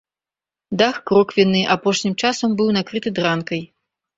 Дах кроквенны, апошнім часам быў накрыты дранкай.